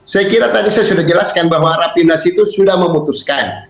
saya kira tadi saya sudah jelaskan bahwa rapimnas itu sudah memutuskan